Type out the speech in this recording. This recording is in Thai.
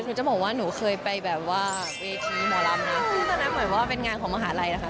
หนูจะบอกว่าหนูเคยไปแบบว่าเวทีหมอลำนะซึ่งตอนนั้นเหมือนว่าเป็นงานของมหาลัยนะคะ